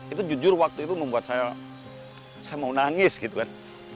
itu jujur waktu itu membuat saya saya mau nangis gitu kan